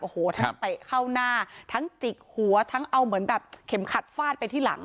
โอ้โหทั้งเตะเข้าหน้าทั้งจิกหัวทั้งเอาเหมือนแบบเข็มขัดฟาดไปที่หลัง